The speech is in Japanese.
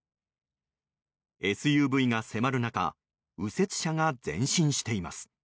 ＳＵＶが迫る中右折車が前進しています。